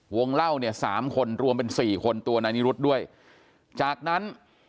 วงเล่าเนี่ยสามคนรวมเป็นสี่คนตัวนายนิรุธด้วยจากนั้น